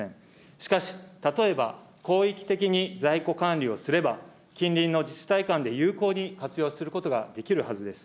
しかし例えば広域的に在庫管理をすれば、近隣の自治体間で有効に活用することができるはずです。